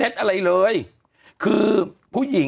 ฟังลูกครับ